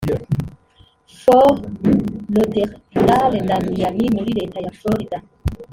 Fort Lauderdale na Miami muri Leta ya Florida